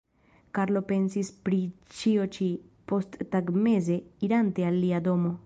Karlo pensis pri ĉio ĉi, posttagmeze, irante al lia domo.